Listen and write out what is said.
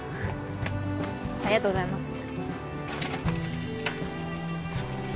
ありがとうございます。